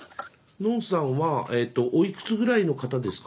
ノンさんはえとおいくつぐらいの方ですか？